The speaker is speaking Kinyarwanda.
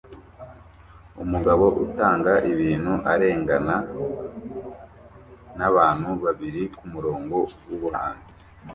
Umugabo utanga ibintu arengana nabantu babiri kumurongo wubuhanzi